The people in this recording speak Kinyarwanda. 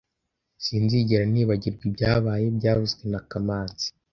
Sinzigera nibagirwa ibyabaye byavuzwe na kamanzi